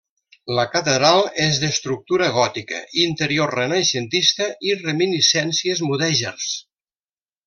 La catedral és d'estructura gòtica, interior renaixentista i reminiscències mudèjars.